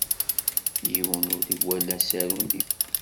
Yiwen ur iwala asaru-nni.